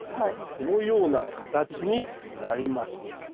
このような形になります。